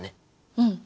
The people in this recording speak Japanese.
うん。